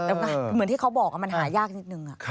เหมือนที่เขาบอกมันหายากนิดนึง